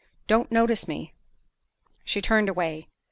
Don't notice me." She turned away.